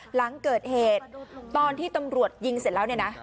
หลังเกิดเหตุตอนที่ตำรวจยิงเสร็จแล้วเนี่ยนะ